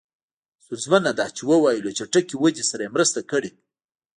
ستونزمنه ده چې ووایو له چټکې ودې سره یې مرسته کړې.